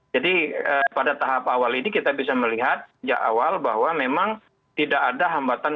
jadi pada tahap awal ini kita bisa melihat bahwa memang tidak ada hambatan